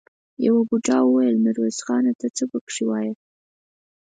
يوه بوډا وويل: ميرويس خانه! ته څه پکې وايې؟